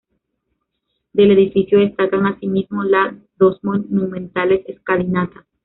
Del edificio destacan, asimismo, las dos monumentales escalinatas.